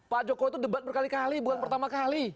pak jokowi itu debat berkali kali bukan pertama kali